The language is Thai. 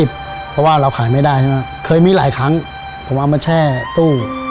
เพราะว่าเราขายไม่ได้ใช่ไหมเคยมีหลายครั้งผมเอามาแช่ตู้